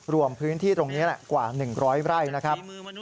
รวมพื้นที่ตรงนี้แหละกว่า๑๐๐ไร่นะครับ